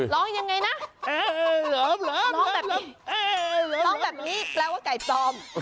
ร้องยังไงนะร้องแบบนี้แปลว่าไก่จอม